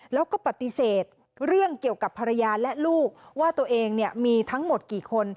แล้วก็ปฏิเสธเรื่องเกี่ยวกับภรรยาและลูกว่าตัวเองมีทั้งหมดกี่คน